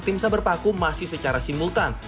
tim saber paku masih secara simultan